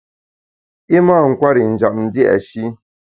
I mâ nkwer i njap dia’shi.